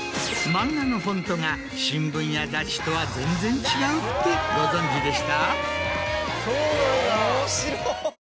漫画のフォントが新聞や雑誌とは全然違うってご存じでした？